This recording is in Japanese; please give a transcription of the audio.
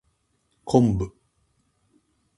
昆布